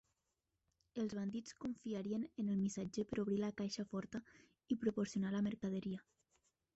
Els bandits confiarien en el missatger per obrir la caixa forta i proporcionar la mercaderia.